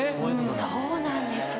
そうなんです。